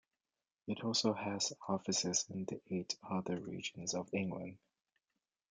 It also has offices in the eight other regions of England.